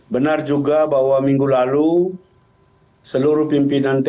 benar juga bahwa minggu lalu seluruh pimpinan teras tiga partai